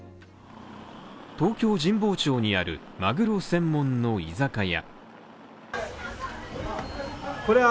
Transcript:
東京・神保町にあるマグロ専門の居酒屋。